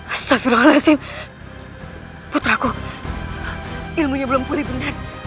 astagfirullahaladzim putraku ilmunya belum pulih benar